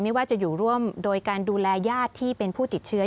ไม่ว่าจะอยู่ร่วมโดยการดูแลญาติที่เป็นผู้ติดเชื้อ